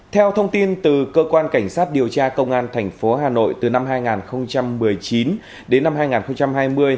theo thông tin từ cơ quan cảnh sát điều tra công an tp hà nội từ năm hai nghìn một mươi chín đến năm hai nghìn hai mươi